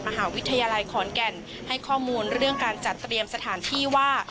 มหาวิทยาลัยขอนแก่นให้ข้อมูลเรื่องการจัดเตรียมสถานที่ว่า